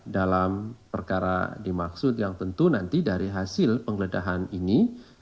dalam perkara dimaksud yang tentu nanti dari hasil penggeledahan ini